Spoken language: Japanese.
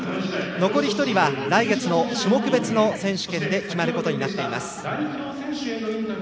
残り１人は来月の種目別選手権で決まることになっています。